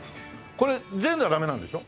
これ全裸はダメなんでしょ？